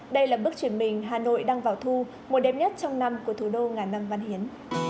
đây là bước chuyển mình hà nội đang vào thu một đêm nhất trong năm của thủ đô ngàn năm văn hiến